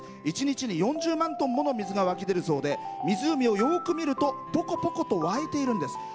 一日に４０万トンもの水が湧き出るそうで湖をよく見るとポコポコと湧いているんです。